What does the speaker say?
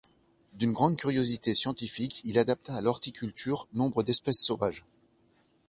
D'une grande curiosité scientifique, il adapta à l'horticulture, nombre d'espèces sauvages.